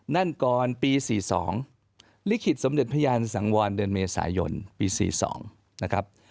นั่นก่อนปี๔๒ลิขิตสมเด็จพระยานสังวรเดือนเมษายนปี๔๒นะครับ